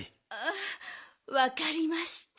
あわかりました。